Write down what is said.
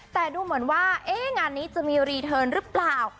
แต่ดูเหมือนว่างานนี้จะมีรีเทิร์นหรือเปล่า